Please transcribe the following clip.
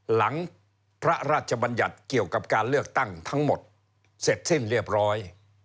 หลังพระราชบัญญัติเกี่ยวกับการเลือกตั้งทั้งหมดเสร็จสิ้นเรียบร้อย